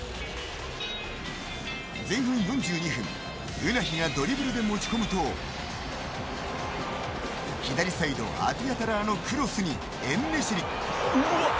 前半４２分、ウナヒがドリブルで持ち込むと左サイドアティヤタラーからのクロスにエンネシリ。